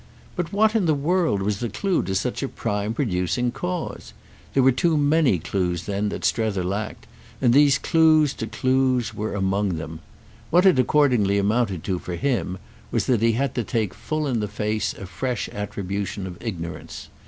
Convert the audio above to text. But what in the world was the clue to such a prime producing cause? There were too many clues then that Strether still lacked, and these clues to clues were among them. What it accordingly amounted to for him was that he had to take full in the face a fresh attribution of ignorance.